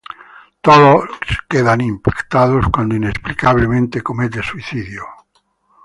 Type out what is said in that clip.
Todos quedan impactados cuando inexplicablemente comete suicidio.